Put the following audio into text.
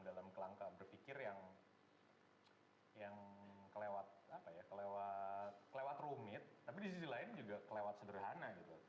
dalam kelangka berpikir yang kelewat rumit tapi di sisi lain juga kelewat sederhana gitu